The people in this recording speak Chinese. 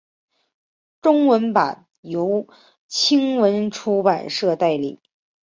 中文版由青文出版社代理。